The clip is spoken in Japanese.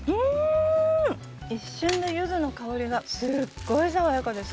一瞬でゆずの香りがすごい爽やかです。